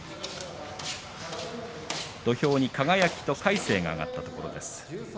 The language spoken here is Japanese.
土俵に、輝と魁聖が上がったところです。